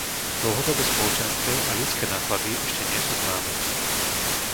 Dlhodobé spoločenské a ľudské náklady ešte nie sú známe.